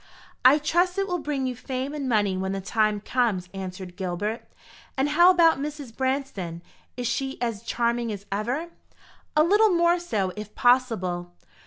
"I trust it will bring you fame and money when the time comes," answered Gilbert. "And how about Mrs. Branston? Is she as charming as ever?" "A little more so, if possible.